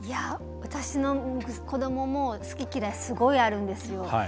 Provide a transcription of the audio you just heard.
私の子どもも、好き嫌いすごいあるんですよ。